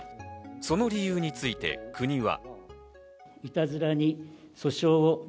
その理由について国は。